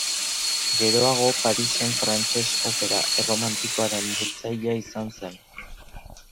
Geroago Parisen frantses opera erromantikoaren bultzatzaile izan zen.